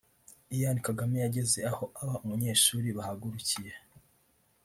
Ian Kagame yageze aho aba banyeshuri bahagurukiye